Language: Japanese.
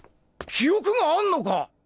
記憶があんのか！？